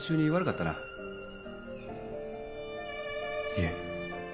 いえ。